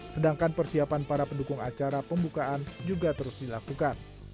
sedangkan persiapan para pendukung acara pembukaan juga terus dilakukan